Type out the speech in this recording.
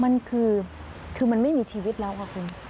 มันคือมันไม่มีชีวิตแล้วค่ะคุณ